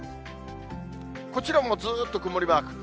こちらもずっと曇りマーク。